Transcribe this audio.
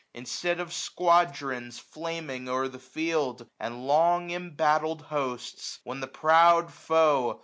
Instead of squadrons flaming o*er the field. And long embattled hosts; when the proud foe.